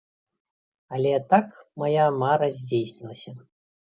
Але так, мая мара здзейснілася.